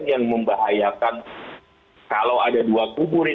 yang membahayakan kalau ada dua kubur